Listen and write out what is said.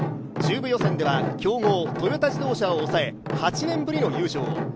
中部予選では強豪・トヨタ自動車を抑え８年ぶりの優勝。